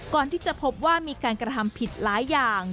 ก่อนที่จะพบว่ามีการกระทำผิดหลายอย่าง